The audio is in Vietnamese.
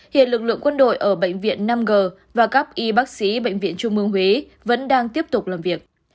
hiện lực lượng quân đội ở bệnh viện năm g và các y bác sĩ bệnh viện trung mương huế vẫn đang tiếp tục làm việc